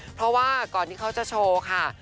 เพราะว่าก่อนที่เขาจะโชว์ค่ะ